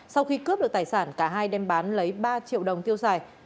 sau khi cướp được tài sản cả hai đem bán lấy ba triệu đồng tiêu xài